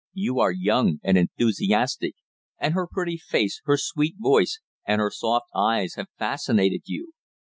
You are young and enthusiastic, and her pretty face, her sweet voice and her soft eyes have fascinated you.